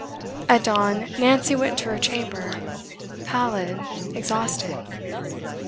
At dawn, Nancy went to her chamber, pallid, exhausted.